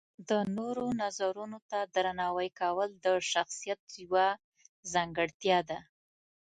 د نورو نظرونو ته درناوی کول د شخصیت یوه ځانګړتیا ده.